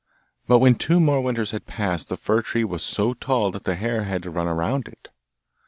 But when two more winters had passed the fir tree was so tall that the hare had to run round it.